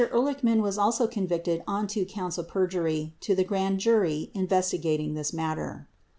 Ehrlichman was also convicted on two counts of perjury to the grand jury investigating this matter.